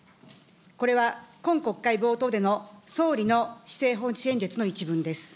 これは今国会冒頭での総理の施政方針演説の一文です。